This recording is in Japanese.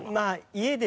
家で。